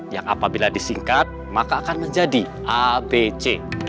yang apabila disingkat maka akan menjadi abc